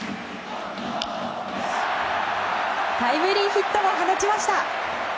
タイムリーヒットも放ちました。